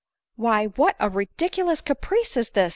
Why, what a ridiculous caprice is this